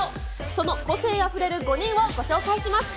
その個性あふれる５人をご紹介します。